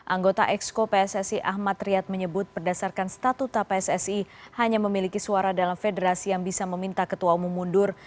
anggota exco pssi ahmad riyad menyebut berdasarkan statuta pssi hanya memiliki suara dalam federasi yang bisa meminta ketua umum mundur